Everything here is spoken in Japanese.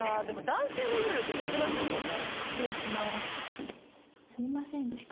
男性の幽霊って珍しいですね。